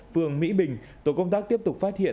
phường mỹ bình tổ công tác tiếp tục phát hiện